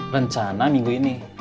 rencana minggu ini